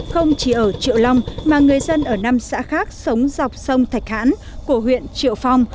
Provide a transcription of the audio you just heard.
không chỉ ở triệu long mà người dân ở năm xã khác sống dọc sông thạch hãn của huyện triệu phong